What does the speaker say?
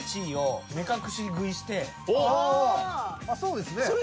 あっそうですね。